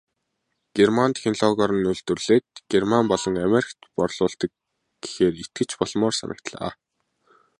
Герман технологиор нь үйлдвэрлээд Герман болон Америкт борлуулдаг гэхээр итгэж болмоор санагдлаа.